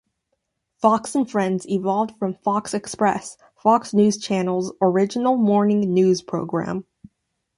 "Fox and Friends" evolved from "Fox X-press", Fox News Channel's original morning news program.